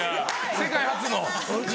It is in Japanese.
世界初の。